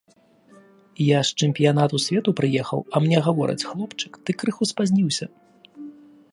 Я з чэмпіянату свету прыехаў, а мне гавораць, хлопчык, ты крыху спазніўся.